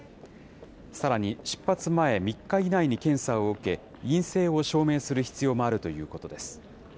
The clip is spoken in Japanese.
さらに出発前３日以内に検査を受け、陰性を証明する必要もあるということです。